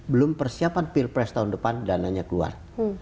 belum persiapan pilpres tahun depan dananya keluar